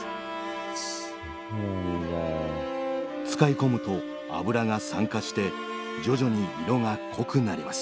使い込むと油が酸化して徐々に色が濃くなります。